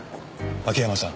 秋山さん